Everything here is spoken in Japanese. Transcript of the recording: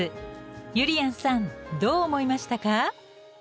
ゆりやんさんどう思いましたか？